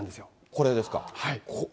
これですか。